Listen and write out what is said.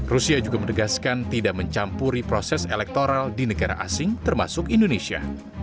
rusia juga menegaskan tidak mencampuri proses elektoral di negara asing termasuk indonesia